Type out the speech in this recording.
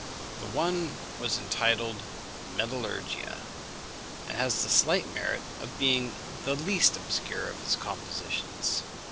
The one was entitled Metallurgia, and has the slight merit of being the least obscure of his compositions.